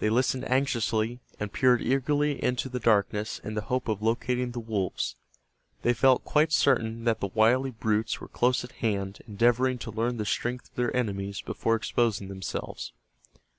They listened anxiously, and peered eagerly into the darkness in the hope of locating the wolves. They felt quite certain that the wily brutes were close at hand endeavoring to learn the strength of their enemies before exposing themselves.